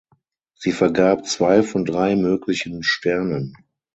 Sie vergab zwei von drei möglichen Sternen.